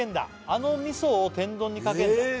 あのみそを天丼にかけんだえ